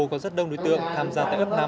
có rất đông đối tượng tham gia tại ấp năm